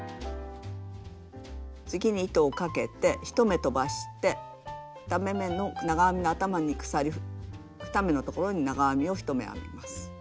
次に糸をかけて１目とばして２目めの長編みの頭に鎖２目のところに長編みを１目編みます。